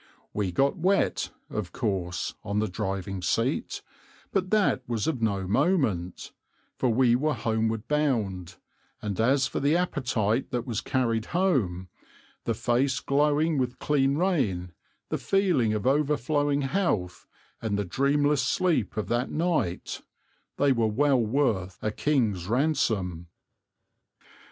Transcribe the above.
We got wet, of course, on the driving seat; but that was of no moment, for we were homeward bound; and as for the appetite that was carried home, the face glowing with clean rain, the feeling of overflowing health, and the dreamless sleep of that night, they were well worth a king's ransom.